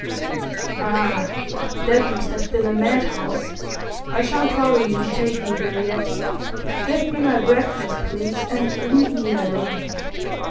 "Ah! That must have been a mad house. I shan't trouble you to take me there yet. Get me my breakfast, please, and leave me alone."